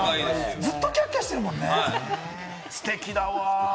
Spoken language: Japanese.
ずっとキャッキャッしてるもんね、ステキだわ。